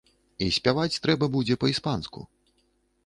І спяваць трэба будзе па-іспанску.